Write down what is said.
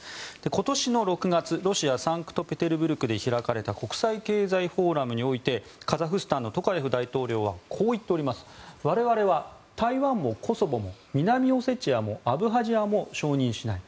今年の６月ロシア・サンクトペテルブルクで開かれた国際経済フォーラムにおいてカザフスタンのトカエフ大統領は我々は台湾もコソボも南オセチアもアブハジアも承認しない。